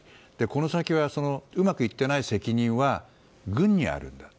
この先、うまくいっていない責任は軍にある。